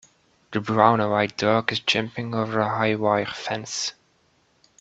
The brown and white dog is jumping over a high wire fence.